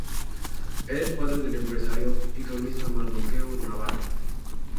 Era el padre del empresario y cronista Mardoqueo Navarro.